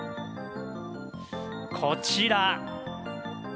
こちら。